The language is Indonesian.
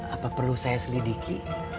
apa perlu saya selidiki